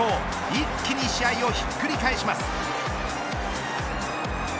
一気に試合をひっくり返します。